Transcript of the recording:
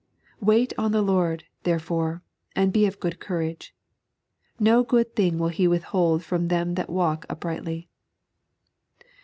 Wait on the Lord, there fore, and be of good courage ; no good thing will He with hold from them that walk uprightly.